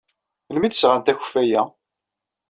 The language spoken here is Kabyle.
Melmi ay d-sɣant akeffay-a?